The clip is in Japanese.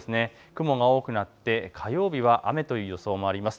雲が多くなって火曜日は雨という予想もあります。